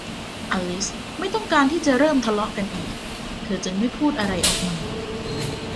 อลิซไม่ต้องการที่จะเริ่มทะเลาะกันอีก เธอจึงไม่พูดอะไรออกมา